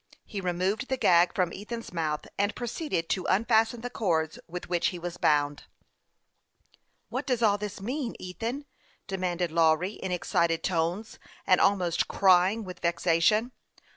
He removed the gag from Ethan's mouth, and proceeded to unfasten the cords with which he was bound. " What does all this mean, Ethan ?" demanded Lawry, in excited tones, and almost crying with vexation.